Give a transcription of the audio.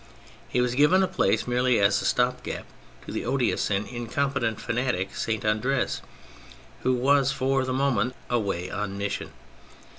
He was given the place merely as a stopgap to the odious and incompetent fanatic, Saint Andre, who was for the moment away on mission.